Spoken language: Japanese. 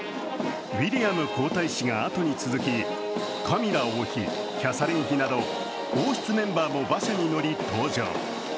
ウィリアム皇太子があとに続き、カミラ王妃、キャサリン妃など王室メンバーも馬車に乗り、登場。